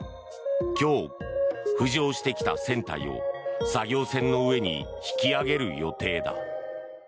今日、浮上してきた船体を作業船の上に引き揚げる予定だ。